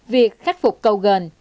việc khắc phục cầu gần